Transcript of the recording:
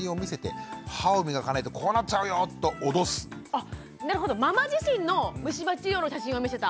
あっなるほどママ自身のむし歯治療の写真を見せた。